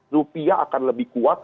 rupiah akan lebih kuat